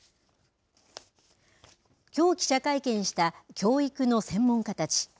きょう記者会見した教育の専門家たち。